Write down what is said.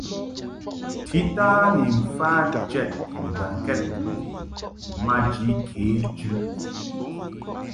Tita ni mfa jɛd mbɔŋkɛd maji kejɨ.